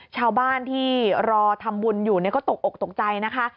ชาวบ้านที่รอทำบุญอยู่ก็ตกอกตกใจนะคะ